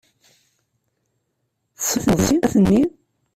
Tessneḍ snat-nni?